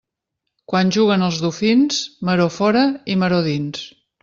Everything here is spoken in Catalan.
Quan juguen els dofins, maror fora i maror dins.